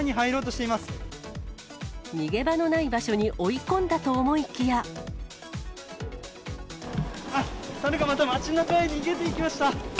逃げ場のない場所に追い込んあっ、猿がまた街なかへ逃げていきました。